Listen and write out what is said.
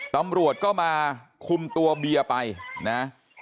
ตำรวจก็มาคุมตัวเบียร์ไปนะ